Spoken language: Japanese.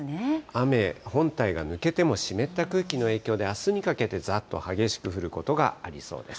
雨本体が抜けても、湿った空気の影響で、あすにかけてざーっと激しく降ることがありそうです。